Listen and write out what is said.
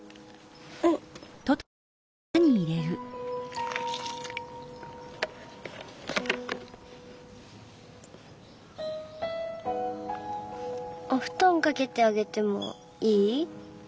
うん。おふとんかけてあげてもいい？